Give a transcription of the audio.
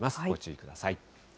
ご注意ください。